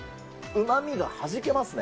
うまみがはじけますね。